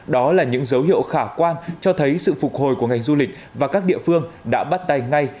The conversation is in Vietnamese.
đó là những dấu hiệu khả quan cho thấy sự phục hồi của ngành du lịch và các địa phương đã bắt tay ngay